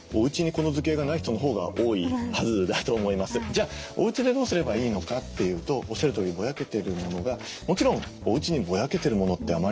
じゃあおうちでどうすればいいのかというとおっしゃるとおりぼやけてるものがもちろんおうちにぼやけてるものってあまりない。